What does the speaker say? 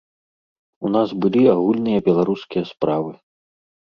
У нас былі агульныя беларускія справы.